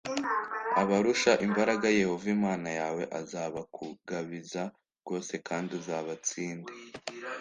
abarusha imbaraga Yehova Imana yawe azabakugabiza rwose kandi uzabatsinde